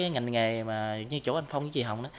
ngành nghề như chỗ anh phong với chị hồng